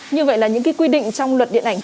như vậy là những cái quy định trong luật điện ảnh